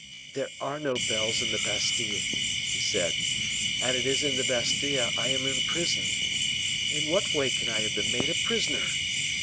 "There are no bells in the Bastile," he said, "and it is in the Bastile I am imprisoned. In what way can I have been made a prisoner?